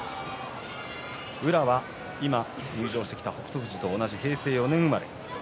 宇良は入場してきた北勝富士と同じ平成４年生まれです。